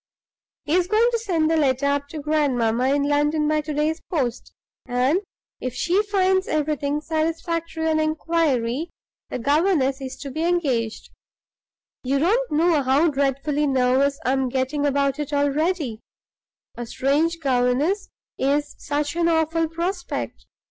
He is going to send the letter up to grandmamma in London by to day's post, and, if she finds everything satisfactory on inquiry, the governess is to be engaged You don't know how dreadfully nervous I am getting about it already; a strange governess is such an awful prospect.